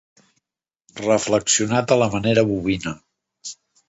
Reflexionat a la manera bovina.